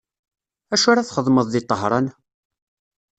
Acu ara txedmeḍ di Tahran?